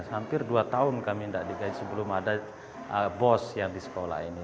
hampir dua tahun kami tidak digaji sebelum ada bos yang di sekolah ini